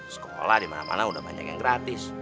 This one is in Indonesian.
sekolah dimana mana udah banyak yang gratis